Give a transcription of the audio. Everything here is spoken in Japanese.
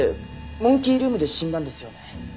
モンキールームで死んだんですよね？